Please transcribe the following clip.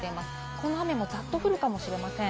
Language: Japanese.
この雨もざっと降るかもしれません。